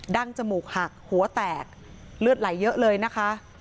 ั้งจมูกหักหัวแตกเลือดไหลเยอะเลยนะคะ